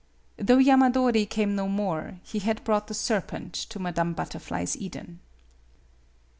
Though Yamadori came no more, he had brought the serpent to Madame Butterfly's Eden.